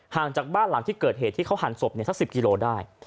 ห่างจากบ้านหลังที่เกิดเหตุที่เขาหั่นศพเนี้ยสักสิบกิโลได้